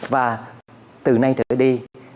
và từ nay trở đi